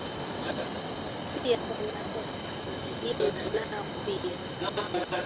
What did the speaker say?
pia kuna esther na jina nao pia